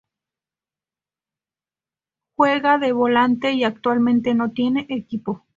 Juega de volante, y actualmente no tiene equipo.